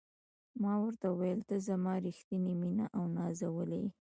ما ورته وویل: ته زما ریښتینې مینه او نازولې یې.